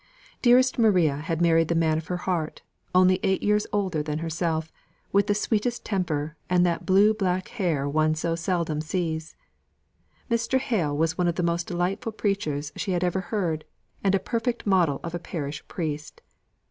Dearest Maria had married the man of her heart, only eight years older than herself, with the sweetest temper, and that blue black hair one so seldom sees. Mr. Hale was one of the most delightful preachers she had ever heard, and a perfect model of a parish priest.